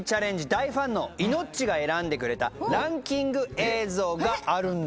大ファンのいのっちが選んでくれたランキング映像があるんだって。